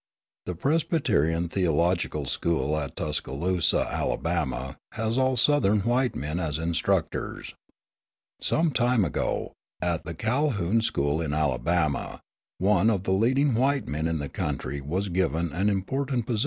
The Presbyterian Theological School at Tuscaloosa, Alabama, has all Southern white men as instructors. Some time ago, at the Calhoun School in Alabama, one of the leading white men in the county was given an important position in the school.